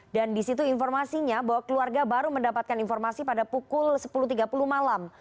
di situ informasinya bahwa keluarga baru mendapatkan informasi pada pukul sepuluh tiga puluh malam